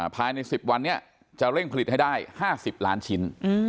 ภายใน๑๐วันนี้จะเร่งผลิตให้ได้๕๐ล้านชิ้น